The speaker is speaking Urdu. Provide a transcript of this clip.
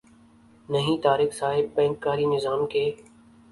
نہیں طارق صاحب بینک کاری نظام کے